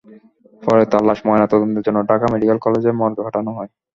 পরে তাঁর লাশ ময়নাতদন্তের জন্য ঢাকা মেডিকেল কলেজ মর্গে পাঠানো হয়।